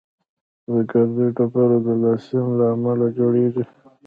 د ګردو ډبرې د کلسیم له امله جوړېږي.